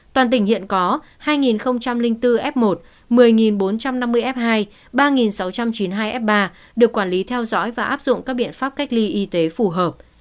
toàn tỉnh hiện có hai bốn f một một mươi bốn trăm năm mươi f hai ba sáu trăm chín mươi hai f ba được quản lý theo dõi và áp dụng các biện pháp cách ly y tế phù hợp